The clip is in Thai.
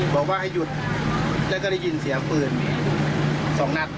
บอกว่าให้หยุดแล้วก็ได้ยินเสียงปืน๒นัด